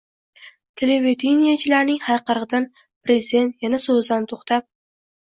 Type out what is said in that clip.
Televideniyechilarning hayqirig‘idan Prezident yana so‘zidan to‘xtab